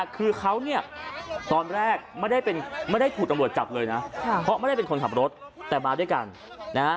คือเขาเนี่ยตอนแรกไม่ได้ถูกตำรวจจับเลยนะเพราะไม่ได้เป็นคนขับรถแต่มาด้วยกันนะฮะ